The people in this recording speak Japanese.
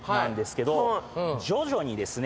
徐々にですね。